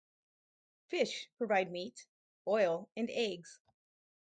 Fish provide meat, oil, and eggs.